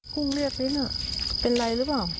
ฟุ้งเลือกเลี้ยนอ่ะเป็นอะไรหรือเปล่า